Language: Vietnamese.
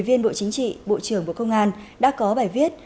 viên bộ chính trị bộ trưởng bộ công an đã có bài viết